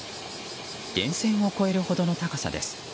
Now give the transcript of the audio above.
電線を越えるほどの高さです。